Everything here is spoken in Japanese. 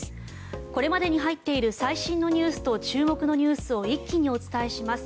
これまでに入っている最新ニュースと注目ニュースを一気にお伝えします。